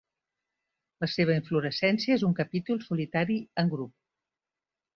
La seva inflorescència és un capítol solitari en grup.